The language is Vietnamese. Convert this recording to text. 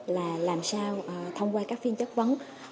là làm sao thông qua các phiên chấp vấn